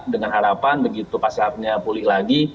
dengan harapan begitu pasarnya pulih lagi